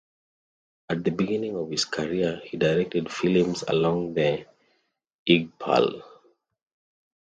At the beginning of his career he directed films along with Iqbal.